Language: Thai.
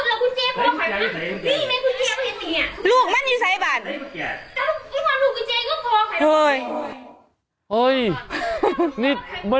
นี่ควันอีกแล้ว